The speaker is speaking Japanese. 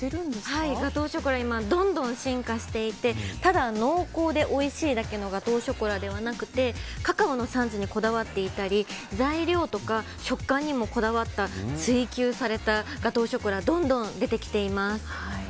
今どんどん進化していてただ濃厚でおいしいだけのガトーショコラではなくてカカオの産地にこだわっていたり材料とか食感にもこだわった追求されたガトーショコラどんどん出てきています。